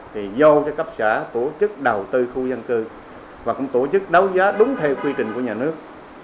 thì do các xã tổ chức đầu tư khu dân cư và cũng tổ chức đấu giá đúng theo quy trình của nhà nước